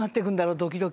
ドキドキ。